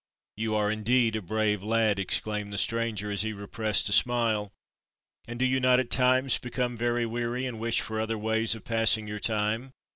"You are indeed a brave lad," exclaimed the stranger, as he repressed a smile. "And do you not at times become very weary and wish for other ways of passing your time?"